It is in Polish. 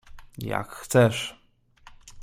— Jak chcesz.